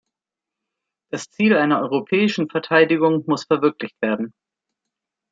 Das Ziel einer europäischen Verteidigung muss verwirklicht werden.